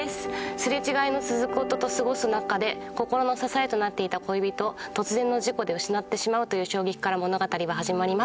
擦れ違いの続く夫と過ごす中で心の支えとなっていた恋人を突然の事故で失ってしまうという衝撃から物語は始まります。